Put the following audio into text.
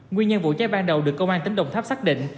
nguyên nhân vụ cháy ban đầu được công an tỉnh đồng tháp xác định